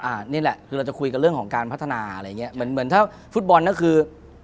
อันนี้แหละคือเราจะคุยกันเรื่องของการพัฒนาอะไรอย่างเงี้ยเหมือนเหมือนถ้าฟุตบอลก็คือ